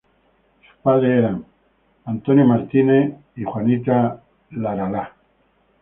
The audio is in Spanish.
Sus padres eran Hattie Spiegel y Aaron Jacobson.